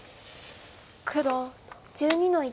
黒１２の一。